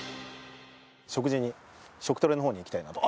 食事に食トレの方にいきたいなと。